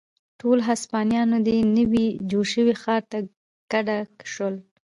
ټول هسپانویان دې نوي جوړ شوي ښار ته کډه شول.